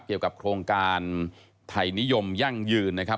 เกี่ยวกับโครงการไทยนิยมยั่งยืนนะครับ